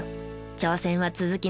挑戦は続きます。